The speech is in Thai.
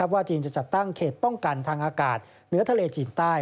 จีนจะจัดตั้งเขตป้องกันทางอากาศเหนือทะเลจีนใต้